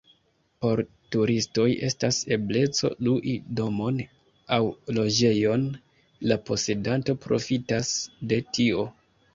Por turistoj estas ebleco lui domon aŭ loĝejon, la posedanto profitas de tio.